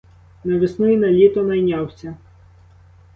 На весну й на літо найнявся.